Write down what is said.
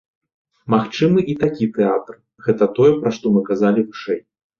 Магчымы і такі тэатр, гэта тое, пра што мы казалі вышэй.